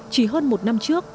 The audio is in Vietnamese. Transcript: chỉ hơn một năm trước